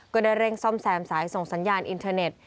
ก็ได้เร่งซ่อมแซมสายส่งสัญญาณอินเทอร์เน็ต